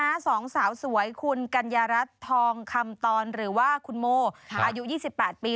สองสาวสวยคุณกัญญารัฐทองคำตอนหรือว่าคุณโมอายุ๒๘ปี